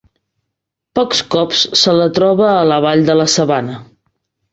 Pocs cops se la troba a la vall de la sabana.